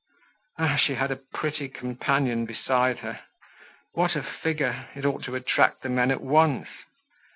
Ah! she had a pretty companion beside her! What a figure! It ought to attract the men at once!